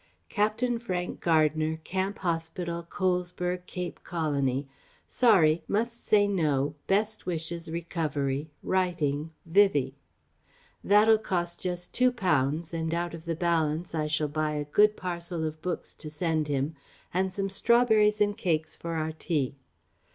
'Captain Frank Gardner Camp Hospital Colesberg Cape Colony. Sorry must say no Best wishes recovery writing. Vivie.' That'll cost just Two pounds and out of the balance I shall buy a good parcel of books to send him, and some strawberries and cakes for our tea."